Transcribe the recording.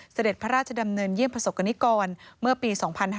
สเดฒพระราชดำเนินเหยี้ยมประศกรณิกรเมื่อปี๒๕๑๒